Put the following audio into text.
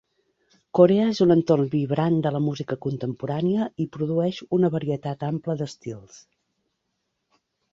Corea és un entorn vibrant de la música contemporània i produeix una varietat ampla d'estils.